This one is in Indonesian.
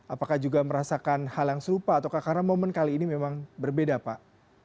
apakah juga merasakan hal yang serupa atau karena momen kali ini memang berbeda pak